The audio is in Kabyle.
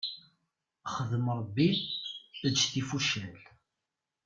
Xdem Ṛebbi, eǧǧ tifucal.